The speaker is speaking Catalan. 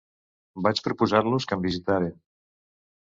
Vaig proposar-los que em visitaren.